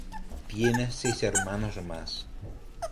Tiene seis hermanos más.